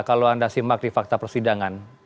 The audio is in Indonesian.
kalau anda simak di fakta persidangan